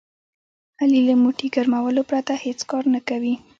علي له موټي ګرمولو پرته هېڅ کار نه کوي.